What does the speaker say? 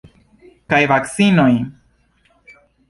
Kaj vakcinoj!